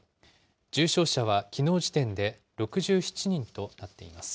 重症者はきのう時点で６７人となっています。